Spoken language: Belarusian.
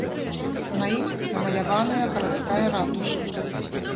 На ім намаляваная гарадская ратуша.